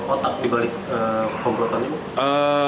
otak dibalik komplotannya